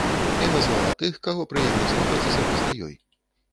І назвала тых, каго прыемна слухаць асабіста ёй.